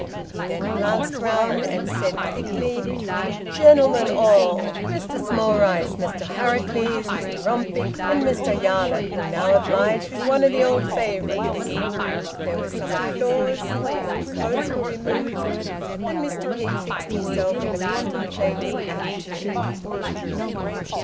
He then glanced round and said thickly "Gentlemen all, Mester Smallrice, Mester Harracles, Mester Rampick, and Mester Yarlett will now oblige with one o' th' ould favourites." There was some applause, a few coats were removed, and Mr Peake fixed himself in a contemplative attitude.